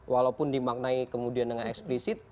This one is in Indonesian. walaupun dimaknai kemudian dengan eksplisit